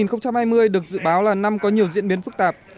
năm hai nghìn hai mươi được dự báo là năm có nhiều diễn biến phức tạp